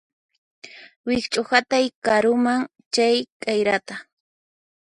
Wikch'uhatay karuman chay k'ayrata